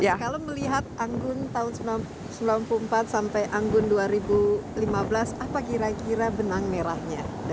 kalau melihat anggun tahun seribu sembilan ratus sembilan puluh empat sampai anggun dua ribu lima belas apa kira kira benang merahnya